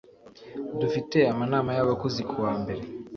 Dufite amanama yabakozi kuwa mbere